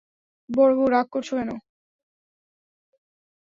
বড়োবউ, রাগ করছ কেন?